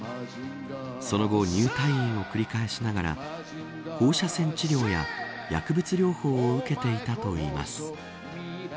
その後、入退院を繰り返しながら放射線治療や薬物療法を受けていたといいます。